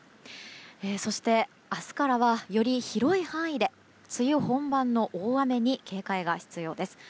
そして明日からはより広い範囲で梅雨本番の大雨に警戒が必要です。